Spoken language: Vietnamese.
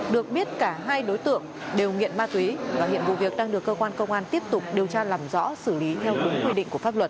được biết cả hai đối tượng đều nghiện ma túy và hiện vụ việc đang được cơ quan công an tiếp tục điều tra làm rõ xử lý theo đúng quy định của pháp luật